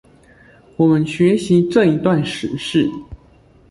我們學習這一段史事